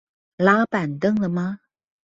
拉板凳了嗎